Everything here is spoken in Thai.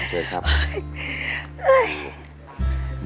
เชิญครับ